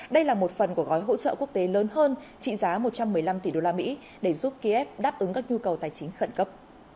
đây là một phần của gói hỗ trợ quốc tế lớn hơn trị giá một trăm một mươi năm tỷ usd để giúp kiev đáp ứng các nhu cầu tài chính khẩn cấp